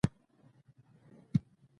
ایا زه باید بخاری چالانه پریږدم؟